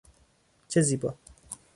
چه زیبا!